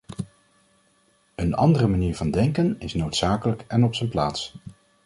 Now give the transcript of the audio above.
Een andere manier van denken is noodzakelijk en op zijn plaats.